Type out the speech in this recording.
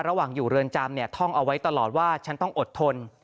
ระหว่างอยู่เรือนจำเนี่ยท่องเอาไว้ตลอดว่าฉันต้องอดทน